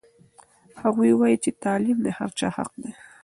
هغوی وایي چې تعلیم د هر چا حق دی.